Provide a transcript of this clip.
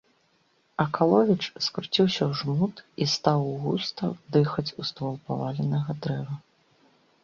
Акаловіч скруціўся ў жмут і стаў густа дыхаць у ствол паваленага дрэва.